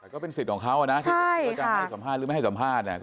ก็เป็นสิทธิ์ของเขานะที่เขาจะให้สัมภาษณ์หรือไม่ให้สัมภาษณ์